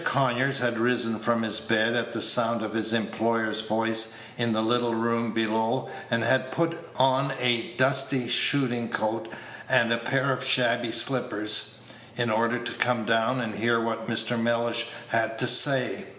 Conyers had risen from his bed at the sound of his employer's voice in the little room below, and had put on a dusty shooting coat and a pair of shabby slippers, in order to come down and hear what Mr. Mellish had to say.